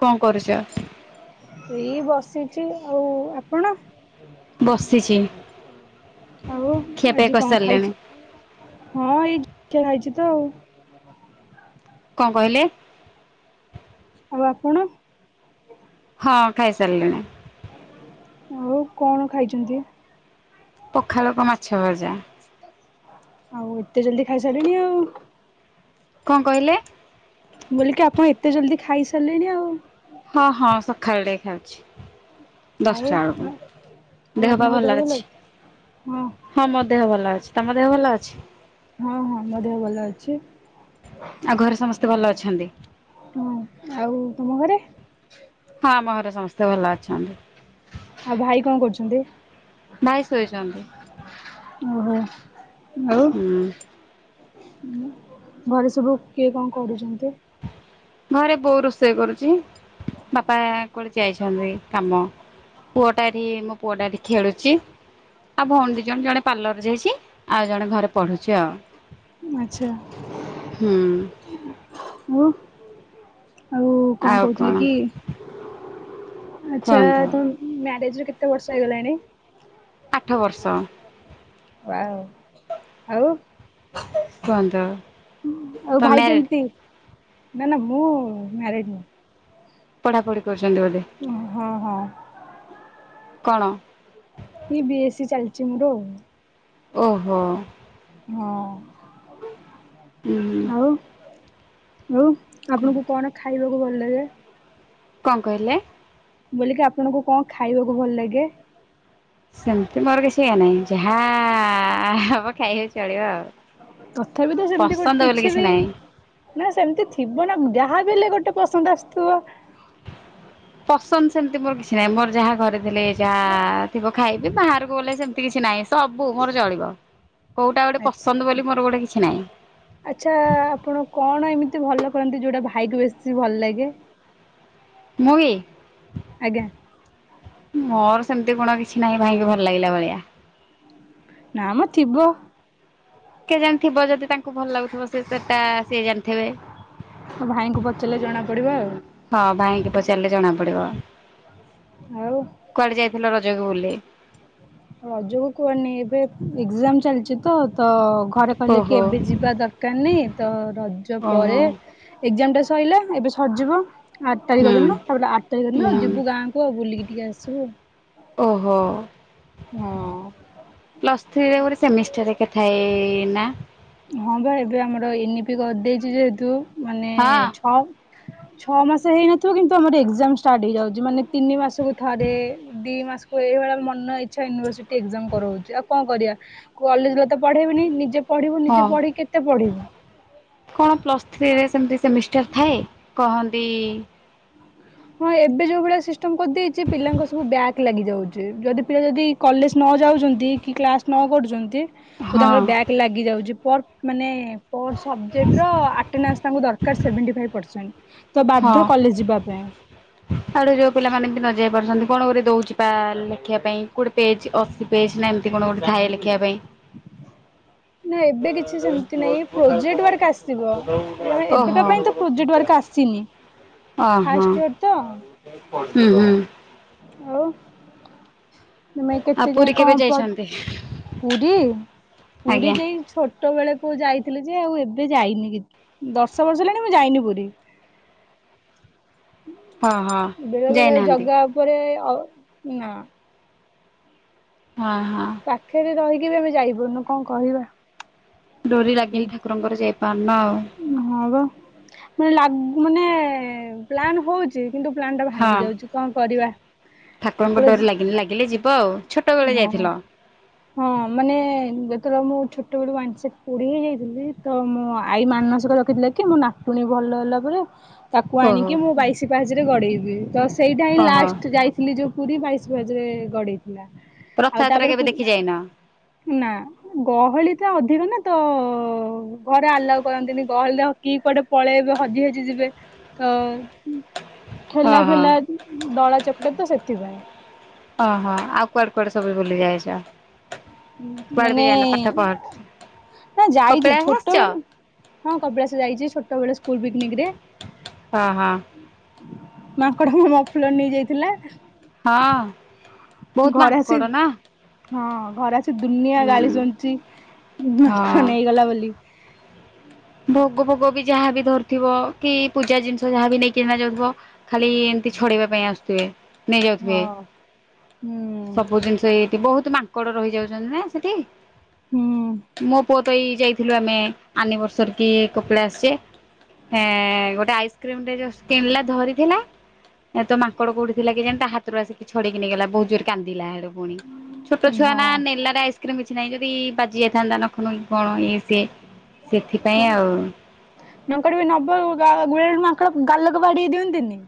କଣ କରୁଛ? ଏଇ ବସିଚି ଆଉ ଆପଣ? ବସିଚି। ଆଉ ଆଜି କଣ ଖାଇଚ ହଁ ଏଇ [unintelligible] ଖାଇଚି ତ ଆଉ। କଣ କହିଲେ। ଆଉ ଆପଣ? ହଁ ଖାଇ ସାରିଲିଣି। ଆଉ କଣ ଖାଇଚନ୍ତି? ପଖାଳକୁ ମାଛ ଭଜା। ଆଉ ଏତେ ଜଲ୍ଦି ଖାଇ ସାରିଲେଣି ଆଉ। କଣ କହିଲେ? ମୁଁ କଇଲିକି ଆପଣ ଏତେ ଜଲ୍ଦି ଖାଇ ସାରିଲେଣି ଆଉ। ହଁ ହଁ ସକାଳେ ଖାଉଚି। ଆଉ ଦଶଟାବେଳକୁ ଆଉ ଦେହପା ଭଲ ଅଛି? ହଁ ହଁ। ହଁ ମୋ ଦେହ ଭଲ ଅଛି ତମ ଦେହ ଭଲ ଅଛି? ହଁ ହଁ ମୋ ଦେହ ଭଲ ଅଛି। ଆଉ ଘରେ ସମସ୍ତେ ଭଲ ଅଛନ୍ତି? ହଁ ଆଉ ତମ ଘରେ? ହଁ ଆମ ଘରେ ସମସ୍ତେ ଭଲ ଅଛନ୍ତି। ଆଉ ଭାଇ କଣ କରୁଚନ୍ତି ଭାଇ ଶୋଇଛନ୍ତି। ଓହୋ। ଆଉ ହୁଁ ଘରେ ସବୁ କିଏ କଣ କରୁଚନ୍ତି? ଘରେ ବୋଉ ରୋଷେଇ କରୁଚି। ବାପା କୋଆଡ଼େ ଯାଇନ୍ତି କାମ ପୁଅଟା ଏଠି ମୋ ପୁଅଟା ଏଠି ଖେଳୁଚି। ଆଉ ଭଉଣୀ ଦୁଇ ଜଣ ଜଣେ ପାର୍ଲରରେ ଯାଇଚି ଆଉ ଜଣେ ଘରେ ପଢୁଚି ଆଉ। ଆଚ୍ଛା। ହୁଁ। ଆଉ? ଉ କଣ କହୁଥିଲି କି ଆଚ୍ଛା କୁହନ୍ତୁ? ତ ମ୍ୟାରେଜର କେତେ ବର୍ଷ ହେଇଗଲାଣି? ଆଠ ବର୍ଷ। ୱାଓ ଆଉ? କୁହନ୍ତୁ ତ ଆଉ ଭାଇ ମ୍ୟାରେଡ୍ କେମିତି? ନା ନା ମୁଁ ମ୍ୟାରେଡ ନୁହଁ। ପଢାପଢି କରୁଛନ୍ତି ବୋଧେ? ଉଁ ହଁ ହଁ। କଣ? ଇ ବି ଏସ ସି ଚାଲିଛି ମୋର। ଓହୋ। ଉଁ ହଁ ଆଉ। ଆଉ ଆପଣଙ୍କୁ କଣ ଖାଇବାକୁ ଭଲ ଲାଗେ? କଣ କହିଲେ? ମୁଁ କହିଲି ଆପଣଙ୍କୁ କଣ ଖାଇବାକୁ ଭଲ ଲାଗେ? ସେମିତି ମୋର କିଛି ଇଏ ନାହିଁ ଯାହା ହବ ଖାଇଲେ ଚଳିବ ଆଉ। ତଥାପି ତ ସେମିତି ଗୋଟ ପସନ୍ଦ ବୋଲି କିଛି ବି। ନାହିଁ। ନା ସେମିତି ଥିବ ନା ଯାହା ବି ହେଲେ ଗୋଟେ ପସନ୍ଦ ଆସୁଥିବ। ପସନ୍ଦ ସେମିତି ମୋର କିଛି ନାହିଁ ମୋର ଯାହା ଘରେ ଦେଲେ। ଯାହା ଥିବ ଖାଇବି ବାହାରକୁ ଗଲେ ସେମିତି କିଛି ନାହିଁ ସବୁ ମୋର ଚଳିବ। କୋଉଟା ଗୋଟେ ଆଚ୍ଛା। ପସନ୍ଦ ବୋଲି ମୋର ଗୋଟେ କିଛି ନାହିଁ। ଆଚ୍ଛା ଆପଣ କଣ ଏମିତି ଭଲ କରନ୍ତି ଯୋଉଟା ଭାଇ କୁ ବେଶୀ ଭଲ ଲାଗେ? ମୁ କି? ଆଜ୍ଞା। ମୋର ସେମିତି ଗୁଣ କିଛି ନାହିଁ ଭାଇଙ୍କୁ ଭଲ ଲାଗିଲା ଭଳିଆ। ନାମ ଥିବ। କେଜାଣି ଥିବ ଯଦି ତାଙ୍କ କୁ ଭଲ ଲାଗୁଥିବ ସେ ସେଟା ସିଏ ଜାଣିଥିବେ। ମୋ ଭାଇଙ୍କୁ ପଚାରିଲେ ଜଣା ପଡ଼ିବ ଆଉ। ହଁ ଭାଇଙ୍କି ପଚାରିଲେ ଜଣା ପଡିବ। ଆଉ। କୁଆଡେ ଯାଇଥିଲ ରଜକୁ ବୁଲି? ରଜକୁ କୁହନି ଏବେ ଏକ୍ଜାମ ଚାଲିଛି ତ ତ ଘରେ କହିଲେ କି ଓହୋ ଏବେ ଯିବା ଦରକାର ନାହିଁ ତ ରଜ ଓହୋ ପରେ। ଏକ୍ଜାମ ଟା ସଇଲା ଏବେ ସରିଯିବ। ଆଠ ହୁଁ ତାରିଖ ଦିନ ତାପ [unintelligible] ଆଠ ତାରିଖ ଦିନ ହୁଁ ଯିବୁ ଗାଁକୁ ଆଉ ବୁଲିକି ଟିକେ ଆସିବୁ। ଓହୋ। ହୁଁ। ପ୍ଲସ୍ ଥ୍ରୀରେ ଗୋଟେ ସେମିଷ୍ଟାର ହେରିକା ଥାଏ ନା? ହଁ ବା ଏବେ ଆମର ଏନ ଇ ପି କରିଦେଇଛି ଯେହେତୁ ମାନେ ହଁ। ଛଅ। ଛଅ ମାସ ହେଇନଥିବ କିନ୍ତୁ ଆମର ଏକ୍ଜାମ ଷ୍ଟାର୍ଟ ହେଇଯାଉଛି ମାନେ ତିନି ମାସକୁ ଥରେ ଦି ମାସ ତ ଏଇଭଳିଆ ମନ ଇଚ୍ଛା ୟୁନିଭର୍ସିଟି ଏକ୍ଜାମ କରଉଛି ଆଉ କଣ କରିବା। କଲେଜଲେ ତ ପଢେଇବେନି ନିଜେ ପଢିବୁ ହଁ ନିଜେ ପଢିକି କେତେ ପଢିବୁ। କଣ ପ୍ଲସ୍ ଥ୍ରୀରେ ସେମିତି ସେମିଷ୍ଟାର ଥାଏ କହନ୍ତି? ହଁ ଏବେ ଯୋଉ ଭଳିଆ ସିଷ୍ଟମ କରିଦେଇଛି ପିଲାଙ୍କ ସବୁ ବ୍ୟାକ ଲାଗି ଯାଉଛି ଚି ଯଦି ପିଲା ଯଦି କଲେଜ ନ ଯାଉଛନ୍ତି କି କ୍ଲାସ ନ କରୁଛନ୍ତି ତ ହଁ ତାଙ୍କର ବ୍ୟାକ। ଲାଗିଯାଉଛି ପର ମାନେ ପର ସବଜେକ୍ଟର ଆ ଆଟେନାନ୍ସ ତାଙ୍କୁ ଦରକାର ସେଭେଣ୍ଟି ଫାଇବ ପର୍ଶେଣ୍ଟ ତ ବାଧ୍ୟ କଲେଜ ଯିବା ପାଇଁ। ଆଡେ ଯୋଉ ପିଲାମାନେ ବି ନ ଯାଇ ପାରୁଛନ୍ତି କଣ ଗୋରେ ଦଉଛି ପା ଲେଖିବା ପାଇଁ କୋଉଠି ପେଜ ଅସ ପେଜ ନା ଏମିତି କଣ ଗୋଟେ ଥାଏ ଲେଖିବା ପାଇଁ। [inaudible] ଏବେ କିଛି ଓହୋ ସେମିତି ହୁଁ ନାଇଁ ପ୍ରୋଜେକ୍ଟ ୱାର୍କ ଆସିବ ଏ ହୁଁ ଏବେକା ପାଇଁ ତ ପ୍ରୋଜେକ୍ଟ ୱାର୍କ ଆସିନି। ଫାଷ୍ଟ ଇୟର ତ। ହୁଁ ହୁଁ। ଆଉ। ତମେ ଆଉ କେତେ ପୁରୀ ଯାଇ କେବେ କଣ ପ ଯାଇଛନ୍ତି? ପୁରୀ ପୁରୀ ଆଜ୍ଞା ଯାଇ ଛୋଟ ଛୋଟବେଳେ କୁଉ ଯାଇଥିଲି ଯେ ଆଉ ଏବେ ଯାଇନି କି ଦର୍ଶ ବର୍ଷ ହେଲାଣି ମୁଁ ଯାଇନି ପୁରୀ। ହଁ ହଁ ବେଳେ ବେଳେ ଯାଇନାହାନ୍ତି ଜଗା ଉପରେ ଅ ନା। ହଁ ହଁ। ପାଖରେ ରହିକି ବି ଆମେ ଯାଇପାରୁୁନୁ କଣ କହିବା। ଡୋରି ଲାଗିନି ଠାକୁରଙ୍କର ଯାଇପାରୁନ ଆଉ। ହଁ ବା ପୁଣି ଲାଗୁ ମାନେ ପ୍ଲାନ ହଉଛି। କିନ୍ତୁ ପ୍ଲାନ୍ ଟା ହଁ ଭାଙ୍ଗି ଯାଉଛି କଣ କରିବା ଠାକୁରଙ୍କ ଠାକୁର ଡୋରି ଲାଗିଲେ ଯିବ ଆଉ ଛୋଟ ବେଳେ ଯାଇଥିଲ। ହଁ। ହଁ ମାନେ ଯେତେବେଳେ ମୁଁ ଛୋଟବେଳୁ ୱାନ ସାଇଡ ପୋଡି ହେଇ ଯାଇଥିଲି ତ ମୋ ଆଈ ମାନସିକ ରଖିଥିଲା। କି ମୋ ନାତୁଣୀ ଭଲ ହେଲା ପରେ ତାକୁ ଓହୋ ଆଣିକି ମୁଁ ବାଇଶି ପାହାଚରେ ଗଡ଼େଇବି ତ ସେଇଟା ହିଁ ଓହୋ ଲାଷ୍ଟ ଯାଇ ଗଲି ଯୋଉ ପୁରୀ ବାଇଶି ପାହାଚ ରେ ଗଡେଇଥିଲା। ଆଉ ରଥଯାତ୍ରା ତାପରେ କେବେ ଦେଖି ଯାଇନ ପୁରୀ ନା। ଗହଳି ତ ଅଧିକ ନା ତ ଘରେ ଆଲାଉ କରନ୍ତିନି ଗହଳିରେ କିଏ କୁଆଡେ। ପଳେଇବେ ହଜି ହାଜି ଯିବେ ତ ଠେଲା ଓହୋ ପେଲା ଦଳା ଚକଟ ତ ସେଥିପାଇଁ। ଅହ ଆଉ କୁଆଡେ କୁଆଡେ ସବୁ ଭୁଲି ଯାଇଛ। କୁଆଡେ ମାନେ ବି ଯାଇନ ପାଠ ପଢ ନାଇଁ ଯାଇଛି କପିଳାସ ଆସିଛ ଛୋଟ ବେଳୁ ହଁ କପିଳାଶ ଯାଇଛି ଛୋଟବେେଳେ ସ୍କୁଲ ପିକନିକ ରେ। ହଁ ହଁ। ମାଙ୍କଡ ମୁହାଁ ମୋ ଫୁଲ ନେଇ ଯାଇଥିଲା। ହଁ। ବହୁତ ଘରେ ମାଙ୍କଡ ନା ଆସିକି ହଁ ଘର ଦୁନିଆ ହୁଁ ଗାଳି ଶୁଣିଛି ମାଙ୍କଡ଼ ହଁ ନେଇଗଲା ବୋଲି। ଭୋଗ ଭୋଗ ବି ଯାହାବି ଧରୁଥିବ କି ପୂଜା ଜିନିଷ ଯାହାବ ନେଇ କିନା ଯାଉଥିବ। ଖାଲି ଏମିତି ଛଡେଇବା ପାଇଁ ଆସୁଥିବେ ହଁ। ନେଇଯାଉଥିବେ ହୁଁ ସବୁ ଜିନଷ ସେଇଠି ବହୁତ ମାଙ୍କଡ ରହିଯାଉଛନ୍ତି ନା ସେଠି ହୁଁ ମୋପୁଅ ତଏଇ ଯାଇଥିଲୁ ଆମେ ଆନିଭର୍ସରୀ କି କପିଲାଶ ଯେ। ହଁ ଗୋଟେ ଆଇସ୍କ୍ରିମଟେ ଜଷ୍ଟ କିଣିଲା ଧରିଥିଲା। ଏ ତ ମାଙ୍କଡ କୋଉଠିଥିଲା କେଜାଣି ତା ହାତରୁ ଆସିକି ଛଡେଇକି ନେଇଗଲା ବହୁତ ଜୋ କାନ୍ଦିଲା ହେଠୁ। ଛୋଟ ଛୁଆ ନା ହଁ। ନେଲା କିଛି ନାହିଁ ଯଦି ବାଜି ଯାଇଥାନ୍ତା ନଖ ନୁଖୀ କଣ ଇଏ ସିଏ ସେଥିପାଇଁ ଆଉ। ମାଙ୍କଡ ବି ନବ ଗୁରେ ମାଙ୍କଡ ଗାଲକୁ ବାଡେଇ ଦିଅନ୍ତିନି।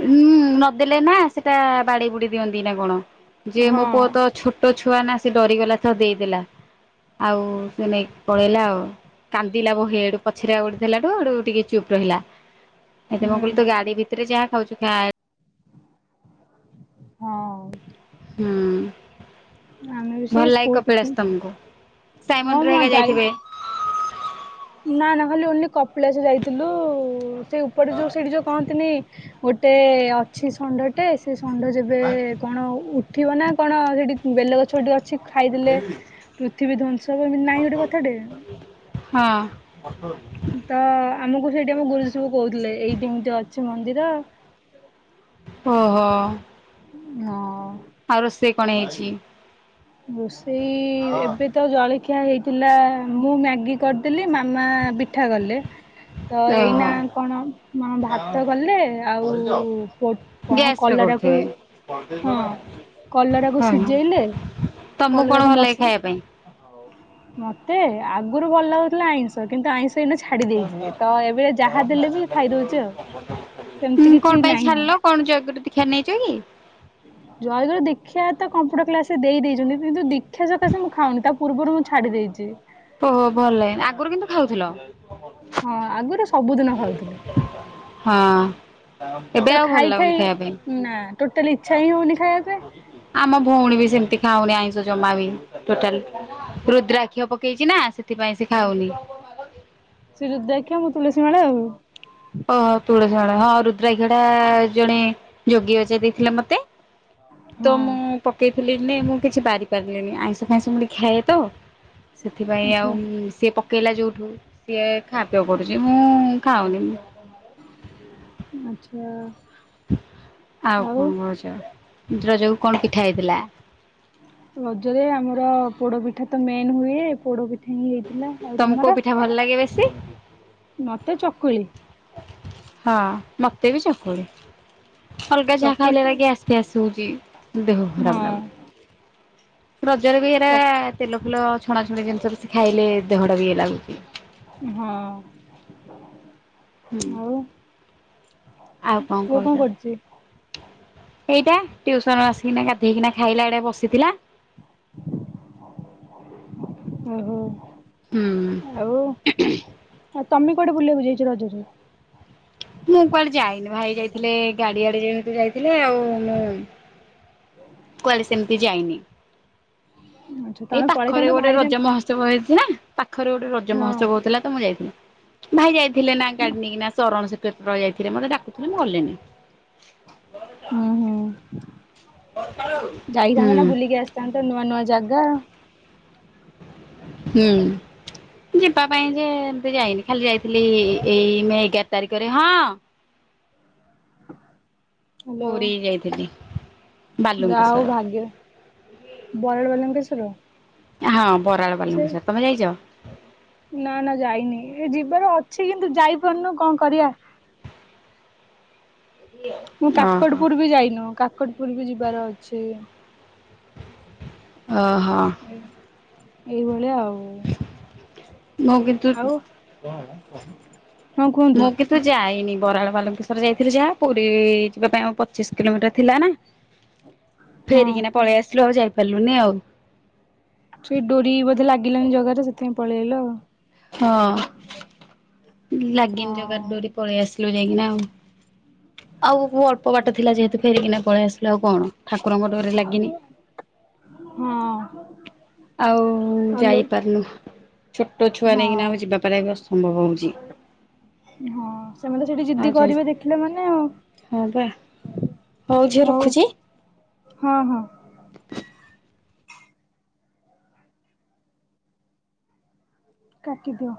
ହୁଁ ନଦେଲେ ନା ସେଟା ବାଡି ବୁଡି ଦିଅନ୍ତି ନା କଣ ଯେ ହଁ ମୋ ପୁଅ ତ ଛୋଟ ଛୋଟ ଛୁଆ ନା ସେ ଡରିଗଲା ଦେଇଦେଲା ଆଉ ସେ ନେଇକି ପଳେଇଲା ଆଉ। କାନ୍ଦିଲା ବହେ ହେଠୁ ପଛରେ ଆଉ ଗୋଟେ ଦେଲା ଠୁୁ ଟିକେ ଚୁପ୍ ରହିଲା। ଏଠୁ ମୁଁ ହୁଁ କହିଲି ତୁ ଗାଡି ଭିତରେ ଯାହା ଖାଉଛୁ ଖା। ହଁ। ହୁଁ। ଆମେ ବି ଭଲ ସେଇ ଲାଗେ ସ୍କୁଲ କପିଳାସ ପିକନିକ ତମକୁ ସାଇ ହଁ ମନ୍ଦିର ମୁଁ ହେକା ଯାଇ ଯାଇଥିବେ। ନା ନା ଖାଲି ଓନ୍ଲି କପିଳାସ ଯାଇଥିଲୁ ସେ ଉପରେ ଯୋଉ ସେଇଠି ଯୋଉ କହନ୍ତିନି। ଗୋଟେ ଅଛି ଷଣ୍ଢଟେ ସେ ଷଣ୍ଢ ଯେବେ ଏବେ କଣ ଉଠିବ ନା କଣ ସେଠି ବେଲଗଛ ଟେ ଅଛି ଖାଇଦେଲେ ପୃଥିବୀ ଧ୍ୱଂସ ଏମିତି ନାହିଁ ଗୋଟେ କଥା ଟେ। ହଁ। ତ ଆମକୁ ସେଇଠି ଆମ ଗୁରୁଜୀ ସବୁ କହୁଥିଲେ ଏଇଠି ଏମିତି ଅଛି ମନ୍ଦିର ଓହୋ। ହଁ। ଆଉ ରୋଷେଇ କଣ ହେଇଚି। ରୋଷେଇ ଏବେ ତ ଜଳଖିଆ ହେଇଥିଲା ମୁଁ ମ୍ୟାଗି କରିଦେଲି ମାମା ପିଠା କଲେ। ତ ଏଇନା ଓହୋ କଣ ମାମ ଭାତ କଲେ ଆଉ ପୋ କଣ ଗ୍ୟାସ ରେ କଲରାକୁ କରୁଥିବେ ହଁ କଲରାକୁ ଓହୋ। ସିଝେଇଲେ ତମକୁ କଣ କାଲରାକୁ ଭଲ ଲାଗେ ଖାଇବା ପାଇଁ ମସଲା ମତେ ଆଗରୁ ଭଲ ଲାଗୁଥିଲା ଆଇଁସ କିନ୍ତୁ ଆଇଁଷ ଏଇନା ଛାଡି ଦେଇଚେ ତ ଏବେ ଯାହା ଦେଲେ ବି ଖାଇଦଉଛି ଆଉ। ସେମିତି ହୁଁ କିଛି କଣ ପାଇଁ ନାହିଁ ଛାଡିଲ କଣ ଜୟଗୁରୁ ଦୀକ୍ଷା ନେଇଚ କି? ଜୟଗୁର ଦୀକ୍ଷା ତ କମ୍ପୁଟର କ୍ଲାସରେ ଦେଇଦେଇଚନ୍ତି କିନ୍ତୁ ଦୀକ୍ଷା ସକାଶେ ମୁଁ ଖାଉନି ତା ପୂର୍ବରୁ ମୁଁ ଛାଡ଼ି ଦେଇଚି ଓହୋ ଭଲ ଲାଗେନି ଆଗରୁ କିନ୍ତୁ ଖାଉଥିଲ। ହଁ ଆଗରୁ ସବୁଦିନ ଖାଉଥିଲେ। ହଁ ଏବେ ତ ଆଉ ଭଲ ଖାଇ ଲାଗୁନି ଖାଇ ଖାଇବା ପାଇଁ। ନା ଟୋଟାଲି ଇଚ୍ଛା ହିଁ ହଉନି ଖାଇବା ପାଇଁ। ଆମ ଭଉଣୀ ବି ସେମିତି ଖାଉନି ଆଇଁଷ ଜମା ବି ଟୋଟାଲ। ରୁଦ୍ରାକ୍ଷ ପକେଇଚି ନା ସେଥିପାଇଁ ସେ ଖାଉନି। ସେ ରୁଦ୍ରାକ୍ଷ ମୁଁ ତୁଲସୀ ମାଳା ଆଉ। ଓହୋ ତୁଳସି ମାଳା ହଁ ହଁ ରୁଦ୍ରାକ୍ଷ ଜଣେ ଯୋଗୀ ଅଜା ଦେଇଥିଲେ ମତେ। ହୁଁ [inaudible] ତ ମୁଁ ପକେଇଥିଲି ନି ମୁଁ କିଛି ବାରି ପାରିଲିନି ଆଇଁଷ ଫାଇଁଷ ମୁ ଟିକେ ଖାଏ ତ ସେଥିପାଇଁ ଆଚ୍ଛା ଆଉ ସେ ପ ପକେଇଲା ଯଉଠୁ ସିଏ ଖା ପିଅ କରୁଛି ମୁଁ ଖାଉନି ମୁଁ ଆଚ୍ଛା। ଆଉ କଣ କହୁଚ ରଜକୁ କଣ ପିଠା ହେଇଥିଲା। ରଜରେ ଆମର ପୋଡପିଠା ତ ମେନ ହୁଏ ପୋଡପି ତମକୁ କୋଉ ପିଠା ଭଲ ଲାଗେ ବେଶି। ମତେ ଚକୁଳି। ହଁ ମତେ ବି ଚକୁଳି। ଅଲଗା ଯାହା ଖାଇଲା ହେରା ଚକୁଳିଟି ଗ୍ୟାସ ଫ୍ୟାସ ହଉଚି ଦେହ ହଁ ଖରାପ ଲାଗୁଚି। ରଜରେ ବି ଏରା ଚ ତେଲ ଫୁଲ ଛଣାଛଣି ଜିନିଷ ବେଶୀ ଖାଇଲେ ଦେହଟା ବି ଇଏ ଲାଗୁଚି। ହଁ। ହୁଁ ଆଉ ଆଉ ପୁଅ କହୁଛ କଣ କରୁଚି। ଏଇଟା ଟ୍ୱିଉସନ ଆସିକିନା ଗାଧେଇକିନା ଖାଇଲା ଏଡେ ବସିଥିଲା। ଓହୋ। ଆଉ ଆଉ ତମେ ହୁଁ କୋଆଡେ ବୁଲିବାକୁ ଯାଇଚ ରଜରେ। ମୁଁ କୁଆଡେ ଯାଇନି ଭାଇ ଯାଇଥିଲେ ଗାଡିଆଡେ ଯେହେତୁ ଯାଇଥିଲେ ଆଉ ମୁଁ କୁଆଡେ ସେମିତି ଯାଇନି। ଆଚ୍ଛା ଏଇ ତମେ ପାଖରେ ପଳେଇଥାନ୍ତ ଗୋଟେ ଭାଇ ରଜ ତାଙ୍କ ମହୋତ୍ସବ ହେଇଥିଲା ପାଖରେ ଗୋଟେ ରଜ ହଁ ମହୋତ୍ସବ ହଉଥିଲା ତ ମୁଁ ଯାଇଥିନି। ଭାଇ ଯାଇଥିଲେ ନା ଗାଡିନେଇ କିନା ଶରଣ ସି କ୍ଷେତ୍ର ଯାଇଥିଲେ ମତେ ଡାକୁଥିଲେ ମୁଁ ଗଲିନି। ହୁଁ ହୁଁ ହୁଁ। ତାଙ୍କେ ତ ନୂଆ ନୂଆ ଜାଗା ହୁଁ। ଯିବା ପାଇଁ ଯେ ଏମତି ଯାଇନି ଖାଲି ଯାଇଥିଲି ଏ ଏଇ ମେ ଏଗାର ତାରିଖରେ ହଁ। ପୁରୀ ଯାଇଥିଲି। ଯାହଉ ବାଲୁଙ୍କେଶ୍ୱର। ଭାଗ୍ୟ ବରାଳ ବାଲୁଙ୍କେଶ୍ୱର। ହଁ ବରାଳ ବାଲଙ୍କେଶ୍ୱର। ତମେ ଯାଇଛ? ନା ନା ଯାଇନି ଏ ଯିବାର ଅଛି କିନ୍ତୁ ଯାଇପାରୁନୁ କଣ କରିବା। ମୁଁ ଓହୋ କାକଟପୁର ବି ଯାଇନୁ କାକଟପୁର ବି ଯିବାର ଅଛି। ଓ ହୋ। ଏ ଏଇଭଳିଆ ଆଉ। ମୁଁ କିନ୍ତୁ, ଆଉ ହଁ କୁହନ୍ତୁ ମୁଁ କି ତୁ ଯାଇନି ବରାଳ ବାଲୁଙ୍କେଶ୍ୱର ଯାଇଥିଲୁ ଯାହା। ପୁରୀ ଯିବା ପାଇଁ ଆଉ ପଚିଶ କିଲୋମିଟର ଥିଲା ନା ହଁ। ଫେରିକିନା ପଳେଇ ଆସିଲୁ ଆଉ ଯାଇପାରିଲୁନି ଆଉ। ସେଇ ଡୋରି ବଧେ ଲାଗିଲାନି ଜଗାର ସେଥିପାଇଁ ପଳି ଆଇଲୁ ଆଉ। ହଁ ଲାଗିନି ଜଗାର ଡୋରି ପଳେଇ ଆସି ଥିଲୁ ଯାଇକିନା ଆଉ। ଆଉ ଅଳ୍ପ ବାଟ ଥିଲା ଯେହେତୁ ଫେରିକିନା ପଳେଇ ଆସିଲୁ ଆଉ କଣ? ଠାକୁରଙ୍କ ଡୋରି ଲାଗିନି। ହଁ। ଆଉ ହଁ ଓଲୋ ଯାଇପାରୁନୁ ଛୋଟ ଛୁଆ ହଁ। ନେଇକିନା ଆଉ ଯିବାପାର ବି ଅସମ୍ଭବ ହଉଛି। ହଁ ସେମାନେ ସେଇଠି ଆଉ ଜିଦି ଯେ କରିବେ ଦେଖିଲେ ମାନେ ଆଉ। ହଁ ବା ହଉ ଝିଅ ରଖୁଛି। ହଁ ହଁ। କାଟିଦିଅ।